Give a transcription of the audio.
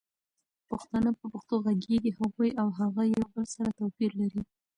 پښتانه په پښتو غږيږي هغوي او هغه يو بل سره توپير لري